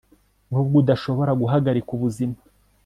nubwo udashobora guhagarika ubuzima